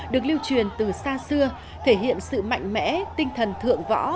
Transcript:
được lưu truyền từ xa xưa thể hiện sự mạnh mẽ tinh thần thượng võ